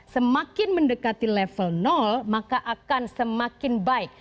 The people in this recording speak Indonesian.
semakin mendekati level maka akan semakin baik